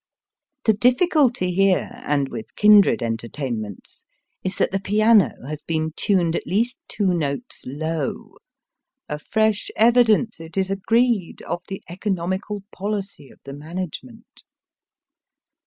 The diflSculty here and with kindred entertainments is that the piano has been tuned at least two notes low — a fresh evidence, it is agreed, of the economical policy of the management.